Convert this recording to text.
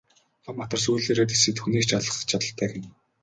Том матар сүүлээрээ дэлсээд хүнийг ч алах чадалтай гэнэ.